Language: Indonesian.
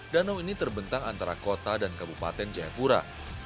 danau ini terbentang antara kota dan kabupaten jayapura